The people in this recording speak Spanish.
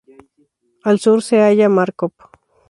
Al sur se halla Markov.